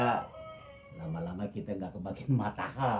lama lama kita nggak kebagian matahari sonra itu tempatnya dimump mate ternyata laian